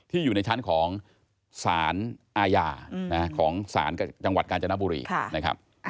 ที่อยู่ในชั้นของสารอาญาของสารจังหวัดกาญจนบุรี